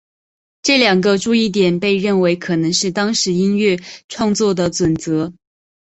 这两个注意点被认为可能是当时音乐创作的准则。